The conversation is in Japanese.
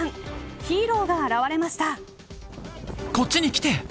ヒーローが現れました。